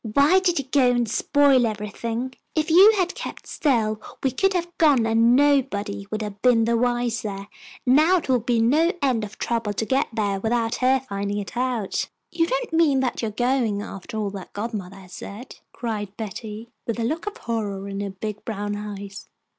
"Why did you go and spoil everything? If you had kept still we could have gone and nobody would have been the wiser. Now it will be no end of trouble to get there without her finding it out." "You don't mean that you are going after all that godmother has said?" cried Betty, with a look of horror in her big brown eyes.